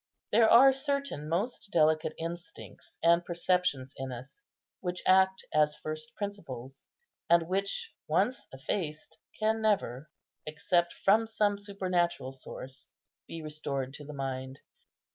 There are certain most delicate instincts and perceptions in us which act as first principles, and which, once effaced, can never, except from some supernatural source, be restored to the mind.